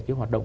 cái hoạt động